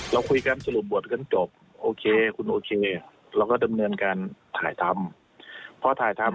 เราจัดสินามาก่อนมันจะเป็นอะไร